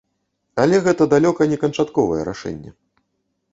Але гэта далёка не канчатковае рашэнне.